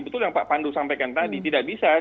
betul yang pak pandu sampaikan tadi tidak bisa